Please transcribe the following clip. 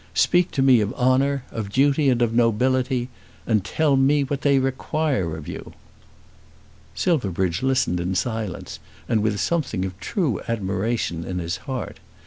Speak to me of honour, of duty, and of nobility; and tell me what they require of you." Silverbridge listened in silence and with something of true admiration in his heart.